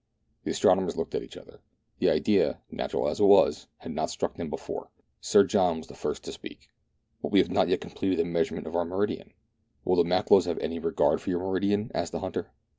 The astronomers looked at each other ; the idea, natural as it was, had not struck them before. Sir John was the first to speak. " But we have not yet completed the measurement of our meridian." " Will the Makololos have any regard for your meridian .*" asked the hunter.